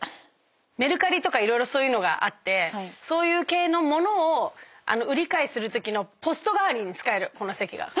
メルカリとか色々そういうのがあってそういう系の物を売り買いするときのポスト代わりに使えるこの席が。